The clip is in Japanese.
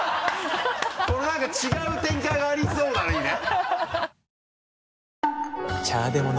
何か違う展開がありそうなのいいね。